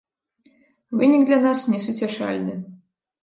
Вынік для нас несуцяшальны.